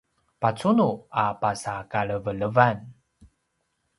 pacunu a pasa kalevelevan